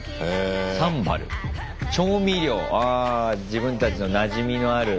自分たちのなじみのある。